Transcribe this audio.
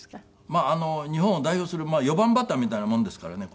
まあ日本を代表する四番バッターみたいなものですからね